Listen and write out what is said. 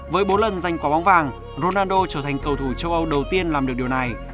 với bốn lần giành quả bóng vàng ronando trở thành cầu thủ châu âu đầu tiên làm được điều này